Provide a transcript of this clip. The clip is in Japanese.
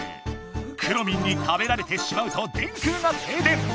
くろミンに食べられてしまうと電空がてい電！